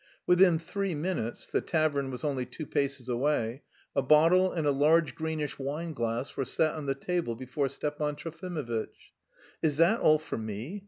Within three minutes (the tavern was only two paces away), a bottle and a large greenish wineglass were set on the table before Stepan Trofimovitch. "Is that all for me!"